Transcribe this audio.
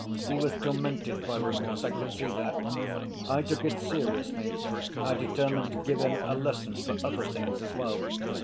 He was tormented by remorse, I could see that. I took it seriously. I determined to give him a lesson for other things as well.